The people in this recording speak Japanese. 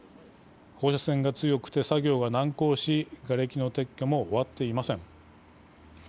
放射線が強くて作業が難航しがれきの撤去も終わっていません。